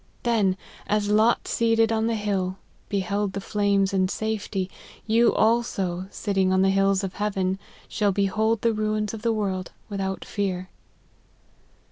Then, as Lot, seated on the hill, beheld the flames in safety, you also, sitting on the hills of heaven, shall behold the ruins of the world without fear."